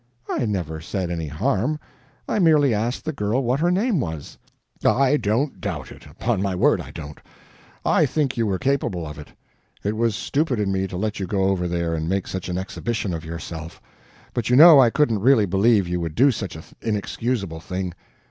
"I never said any harm. I merely asked the girl what her name was." "I don't doubt it. Upon my word I don't. I think you were capable of it. It was stupid in me to let you go over there and make such an exhibition of yourself. But you know I couldn't really believe you would do such an inexcusable thing.